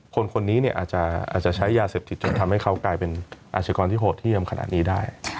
คนนี้อาจจะใช้ยาเสพติดจนทำให้เขากลายเป็นอาชกรที่โหดเยี่ยมขนาดนี้ได้